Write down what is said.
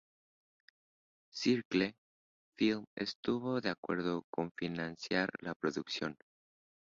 Circle Films estuvo de acuerdo con financiar la producción.